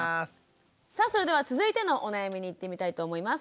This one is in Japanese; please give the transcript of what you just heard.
さあそれでは続いてのお悩みにいってみたいと思います。